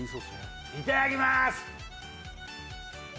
いただきます！